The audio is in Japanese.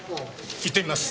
行ってみます！